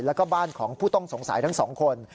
แล้วก็บ้านของผู้ต้องสงสัยทั้งสองคน